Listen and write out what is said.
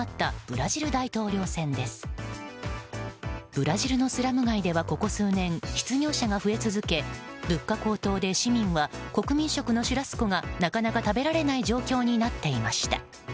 ブラジルのスラム街ではここ数年、失業者が増え続け物価高騰で市民は国民食のシュラスコがなかなか食べられない状況になっていました。